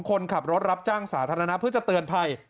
คนขับรถรับจ้างสาธารณะเพื่อจะเตือนภัย